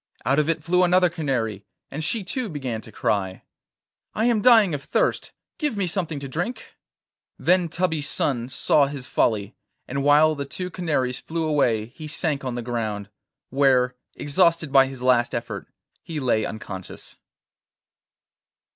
Out of it flew another canary, and she too began to cry: 'I am dying of thirst; give me something to drink.' Then Tubby's son saw his folly, and while the two canaries flew away he sank on the ground, where, exhausted by his last effort, he lay unconscious.